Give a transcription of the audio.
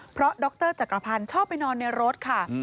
เพราะดรจักรพันธ์ชอบไปนอนในรถค่ะ